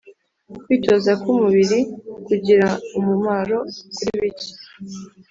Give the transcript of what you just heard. kwitoza k'umubiri kugira umumaro kuri bike,